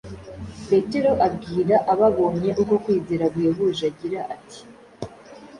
Petero abwira ababonye uko kwizera guhebuje agira ati